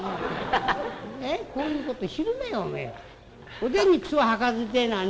おでんに靴を履かずってえのはね